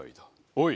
おい！